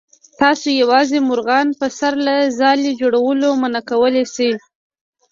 تاسو یوازې مرغان په سر له ځالې جوړولو منع کولی شئ.